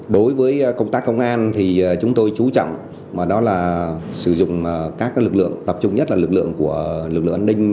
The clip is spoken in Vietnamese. đối với công tác công an thì chúng tôi chú trọng vào đó là sử dụng các lực lượng tập trung nhất là lực lượng của lực lượng an ninh